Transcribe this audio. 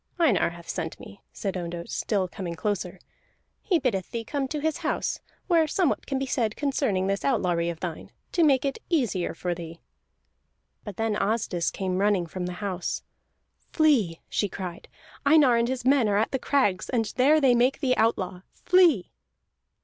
"Einar hath sent me," said Ondott, still coming closer. "He biddeth thee come to his house, where somewhat can be said concerning this outlawry of thine, to make it easier for thee." But then Asdis came running from the house. "Flee!" she cried. "Einar and his men are at the crags, and there they make thee outlaw. Flee!"